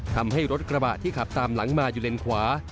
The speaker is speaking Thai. ทำให้รถกระบะที่ขับตามหลังมาอยู่เลนขวา